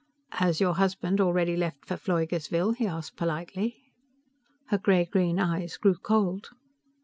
"Has your husband already left for Pfleugersville?" he asked politely. Her gray green eyes grew cold.